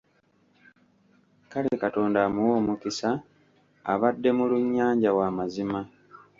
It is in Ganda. Kale Katonda amuwe omukisa, abadde mulunnyanja wa mazima.